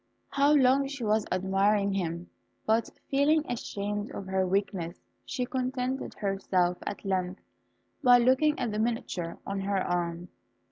How long she was admiring him! but feeling ashamed of her weakness, she contented herself at length by looking at the miniature on her arm.